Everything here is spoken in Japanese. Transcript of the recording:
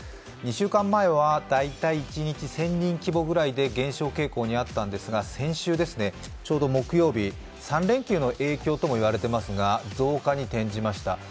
２週間前は大体一日１０００人規模ぐらいで減少傾向にあったんですが、先週ですね、ちょうど木曜日、３連休の影響ともいわれていますが増加に転じました。